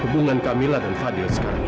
hubungan kamila dan fadil sekarang ini